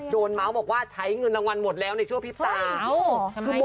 โดนเม้าเรียกว่าใช้เงินรางวัลหมดแล้วในชั่วพิปราบ